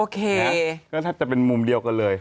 ก็แทบจะเป็นมุมเดียวกันเลย